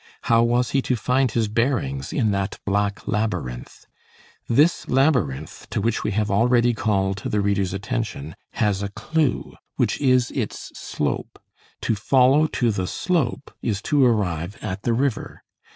How was he to find his bearings in that black labyrinth? This labyrinth, to which we have already called the reader's attention, has a clue, which is its slope. To follow to the slope is to arrive at the river.